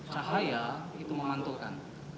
cahaya itu menganturkan